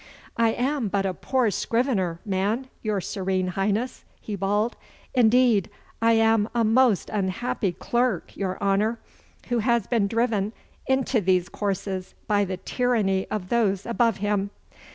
'I am but a poor scrivener man, your serene Highness,' he bawled. 'Indeed, I am a most unhappy clerk, your Honour, who has been driven into these courses by the tyranny of those above him.